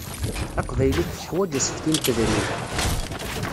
Taqbaylit teḥwaǧ asefti n tedrimt.